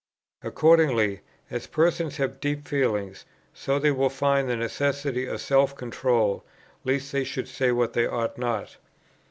Accordingly, as persons have deep feelings, so they will find the necessity of self control, lest they should say what they ought not."